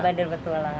oh bandel petualangan